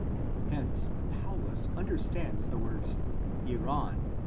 Hence Paulus understands the words ἦραν x.